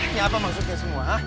ini apa maksudnya semua